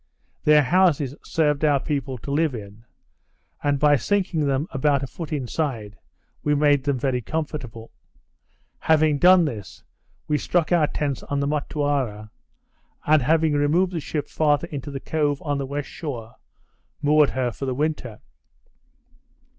Their houses served our people to live in; and, by sinking them about a foot inside, we made them very comfortable. Having done this, we struck our tents on the Motuara, and having removed the ship farther into the cove on the west shore, moored her for the winter.